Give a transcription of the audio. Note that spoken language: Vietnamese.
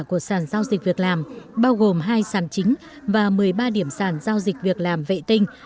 của sàn giao dịch việc làm bao gồm hai sàn chính và một mươi ba điểm sàn giao dịch việc làm vệ tinh